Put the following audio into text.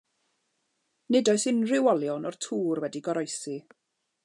Nid oes unrhyw olion o'r tŵr wedi goroesi.